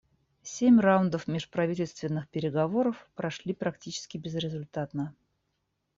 Семь раундов межправительственных переговоров прошли практически безрезультатно.